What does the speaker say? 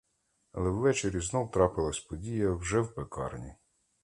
Але ввечері знов трапилась подія вже в пекарні.